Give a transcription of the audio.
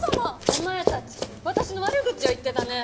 お前たち私の悪口を言ってたね。